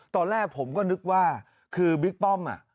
ตอนแรกผมก็นึกว่าคือบิ๊กป้อม